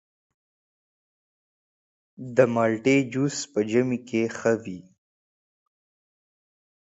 د مالټې جوس په ژمي کې ښه وي.